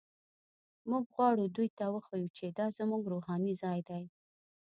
موږ غواړو دوی ته وښیو چې دا زموږ روحاني ځای دی.